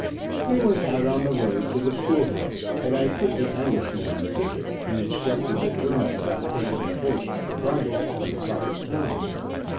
We went out on the road, to the school house, and I put the Irishman on picket, and instructed the German about taking the horse by the bridle at the proper time.